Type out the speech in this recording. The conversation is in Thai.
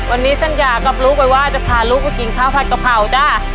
วันนี้สัญญากับลูกไปว่าจะพาลูกไปกินข้าวผัดกะเพราจ้า